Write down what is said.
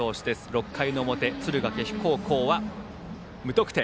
６回の表、敦賀気比高校は無得点。